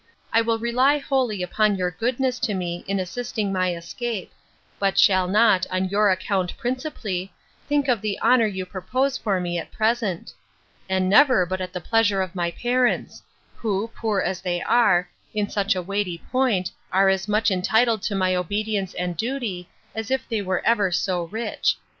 I will rely wholly upon your goodness to me, in assisting my escape; but shall not, on your account principally, think of the honour you propose for me at present; and never, but at the pleasure of my parents; who, poor as they are, in such a weighty point, are as much entitled to my obedience and duty, as if they were ever so rich.